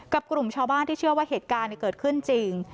กลุ่มชาวบ้านที่เชื่อว่าเหตุการณ์เกิดขึ้นจริง